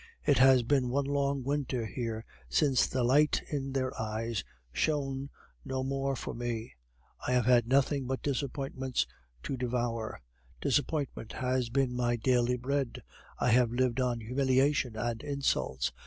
It has been one long winter here since the light in their eyes shone no more for me. I have had nothing but disappointments to devour. Disappointment has been my daily bread; I have lived on humiliation and insults.